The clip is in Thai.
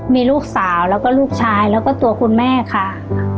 มีลูกสาวแล้วก็ลูกชายแล้วก็ตัวคุณแม่ค่ะ